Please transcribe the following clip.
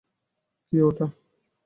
কি ওটা?